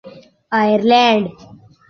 Ireland